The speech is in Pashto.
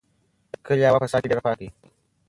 د کلي هوا په سهار کې ډېره پاکه وي.